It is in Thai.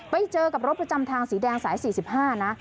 ไปเจอกับรถประจำทางสีแดงสาย๔๕นะ